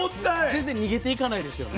全然逃げていかないですよね？